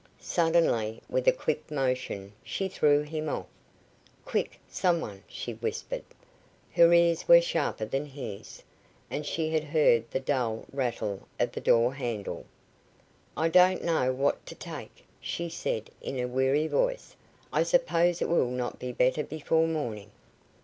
Suddenly, with a quick motion, she threw him off. "Quick some one," she whispered. Her ears were sharper than his, and she had heard the dull rattle of the door handle. "I don't know what to take," she said, in a weary voice; "I suppose it will not be better before morning."